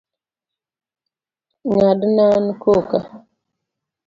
Ng'adnan koka.